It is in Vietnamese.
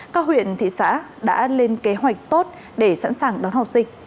các huyện thị xã đã lên kế hoạch tốt để sẵn sàng đón học sinh